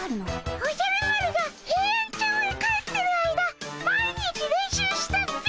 おじゃる丸がヘイアンチョウへ帰ってる間毎日練習したっピ。